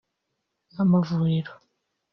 amavuriro